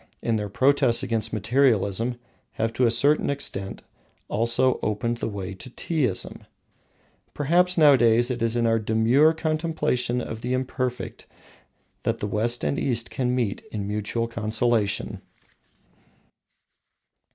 in their protests against materialism, have, to a certain extent, also opened the way to Teaism. Perhaps nowadays it is our demure contemplation of the Imperfect that the West and the East can meet in mutual consolation.